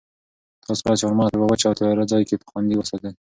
تاسو باید چهارمغز په یوه وچ او تیاره ځای کې خوندي وساتئ.